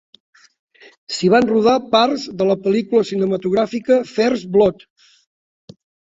S'hi van rodar parts de la pel·lícula cinematogràfica "First Blood".